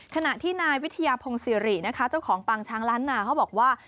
ขณะที่นายวิทยาพงศิรินะคะเจ้าของปางช้างล้านนาเขาบอกว่า